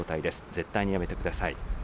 絶対にやめてください。